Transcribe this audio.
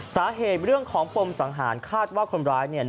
สาเหตุเรื่องของปมสังหารคาดว่าคนร้ายเนี่ย